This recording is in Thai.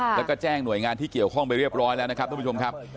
แล้วก็แจ้งหน่วยงานที่เกี่ยวข้องไปเรียบร้อยแล้วนะครับทุกผู้ชมครับ